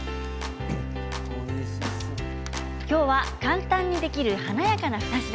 今日は簡単にできる華やかな２品。